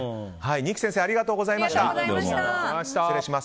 二木先生ありがとうございました。